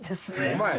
お前